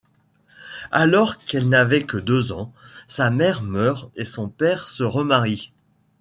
Alors qu'elle n'avait que deux ans, sa mère meurt et son père se remarie.